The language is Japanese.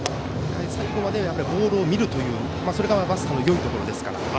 最後までボールを見るそれがバスターのよいところですから。